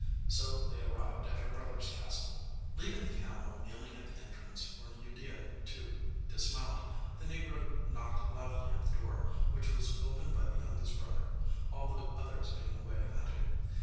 So they arrived at her brothers' castle. Leaving the camel kneeling at the entrance for Udea to dismount, the negro knocked loudly at the door, which was opened by the youngest brother, all the others being away hunting.